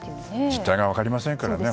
実態が分かりませんからね。